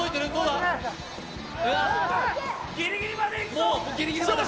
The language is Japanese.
もうギリギリまで！